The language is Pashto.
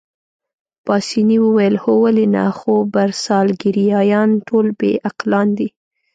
پاسیني وویل: هو ولې نه، خو برساګلیریايان ټول بې عقلان دي.